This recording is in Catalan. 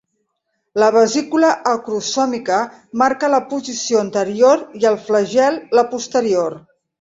La vesícula acrosòmica marca la posició anterior i el flagel la posterior.